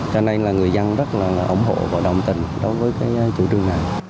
cho nên là người dân rất là ủng hộ và đồng tình đối với cái chủ trương này